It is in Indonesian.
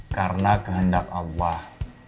karena kehendak allah